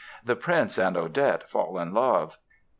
The prince and Odette fall in love.